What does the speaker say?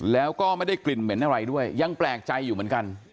แล้วก็ไม่ได้กลิ่นเหม็นอะไรด้วยยังแปลกใจอยู่เหมือนกัน